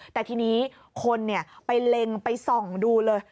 แต่ทีนี้คนไปเล็งไปส่องดูเลย